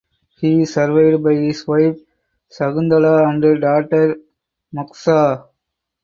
He is survived by his wife Sakunthala and daughter Moksha.